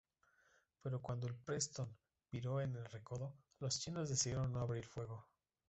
Pero cuando el "Preston" viró en el recodo, los chinos decidieron no abrir fuego.